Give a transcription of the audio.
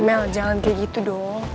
mel jalan kayak gitu dong